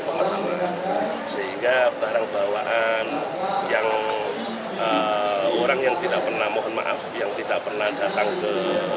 pemahaman sehingga barang bawaan yang orang yang tidak pernah mohon maaf yang tidak pernah datang ke